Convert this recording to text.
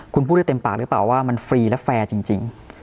คุณพูดได้เต็มปากหรือเปล่าว่ามันฟรีและแฟร์จริง